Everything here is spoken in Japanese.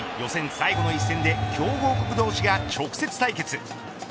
最後の１戦で強豪国同士が直接対決。